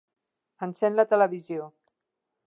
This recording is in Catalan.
Encén la televisió.